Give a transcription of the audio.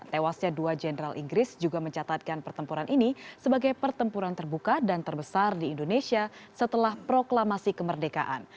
tewasnya dua jenderal inggris juga mencatatkan pertempuran ini sebagai pertempuran terbuka dan terbesar di indonesia setelah proklamasi kemerdekaan